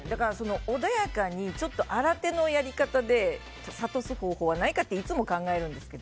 穏やかに新手のやり方で諭す方法はないかっていつも考えるんですけど。